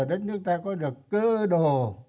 đất nước ta có được cơ đồ